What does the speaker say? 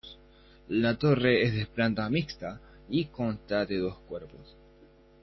La torre es de planta mixta y consta de dos cuerpos.